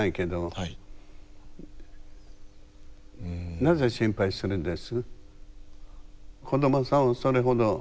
なぜ心配するんです？